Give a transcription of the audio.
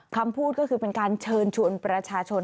คำพูดก็คือเป็นการเชิญชวนประชาชน